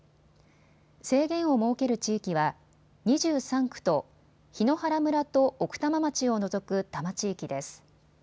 制限を設ける地域は２３区と檜原村と奥多摩町を除く多摩地域です。